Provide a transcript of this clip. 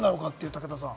武田さん。